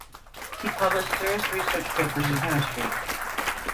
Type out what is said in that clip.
He published serious research papers in chemistry.